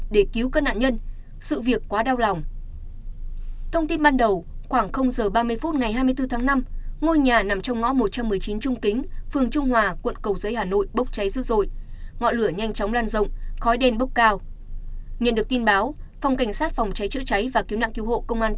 do ngôi nhà nằm sâu trong ngõ nhỏ cách xa mặt đường trung kính hơn hai trăm linh m